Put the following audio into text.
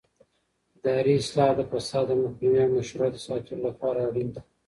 اداري اصلاحات د فساد د مخنیوي او مشروعیت د ساتلو لپاره اړین دي